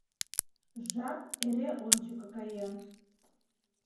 Жап эре ончыко каен.